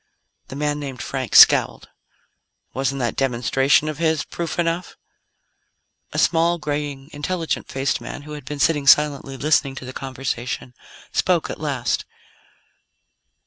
The man named Frank scowled. "Wasn't that demonstration of his proof enough?" A small, graying, intelligent faced man who had been sitting silently, listening to the conversation, spoke at last.